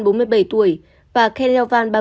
bốn mươi bảy tuổi và khe le van